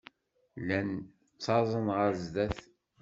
Llan ttaẓen ɣer sdat.